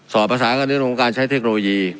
สอบภาษาการเรียนตรงการใช้เทคโนโลยี